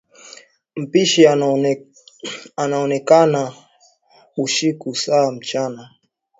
Mpushi anaonaka busiku sa mchana